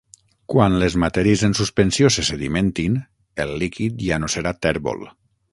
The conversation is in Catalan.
Quan les matèries en suspensió se sedimentin, el líquid ja no serà tèrbol.